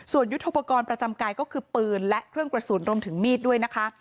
ส่วนยุทธโปรกรณ์ประจำกายก็คือปืนและเครื่องกระสุนรวมถึงมีดด้วยนะคะ